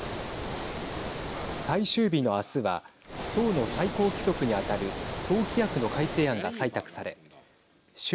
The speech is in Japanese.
最終日の明日は党の最高規則に当たる党規約の改正案が採択され習